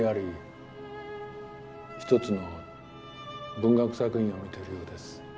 文学作品を見てるようです。